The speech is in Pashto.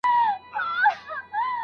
د هر اقدام نتيجه د الله تعالی صلاحيت دی.